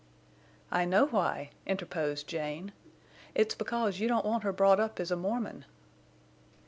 "I know why," interposed Jane. "It's because you don't want her brought up as a Mormon."